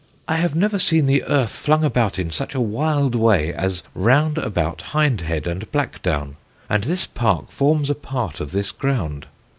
I have never seen the earth flung about in such a wild way as round about Hindhead and Blackdown, and this park forms a part of this ground.